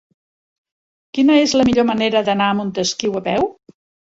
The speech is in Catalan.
Quina és la millor manera d'anar a Montesquiu a peu?